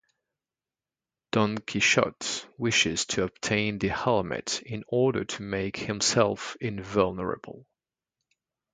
Don Quixote wishes to obtain the helmet in order to make himself invulnerable.